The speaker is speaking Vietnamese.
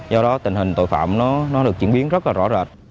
do đó tình hình tội phạm nó được chuyển biến rất là rõ rệt